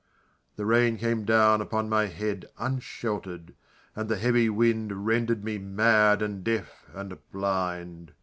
The rain came down upon my head Unshelter'd and the heavy wind Rendered me mad and deaf and blind.